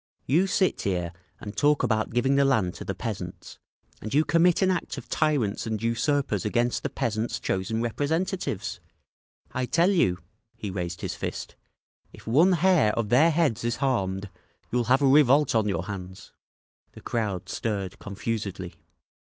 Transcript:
"You sit here and talk about giving the land to the peasants, and you commit an act of tyrants and usurpers against the peasants' chosen representatives! I tell you—" he raised his fist, "If one hair of their heads is harmed, you'll have a revolt on your hands!" The crowd stirred confusedly.